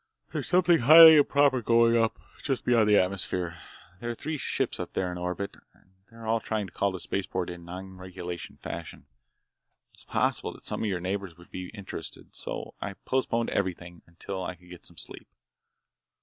"There's something highly improper going on, up just beyond atmosphere. There are three ships up there in orbit, and they were trying to call the spaceport in nonregulation fashion, and it's possible that some of your neighbors would be interested. So I postponed everything until I could get some sleep.